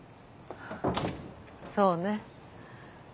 そうね。